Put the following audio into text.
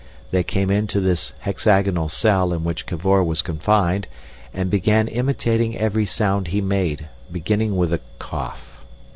They came into this "hexagonal cell" in which Cavor was confined, and began imitating every sound he made, beginning with a cough.